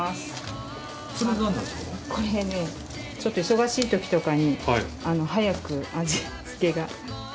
これねちょっと忙しいときとかに早く味付けが。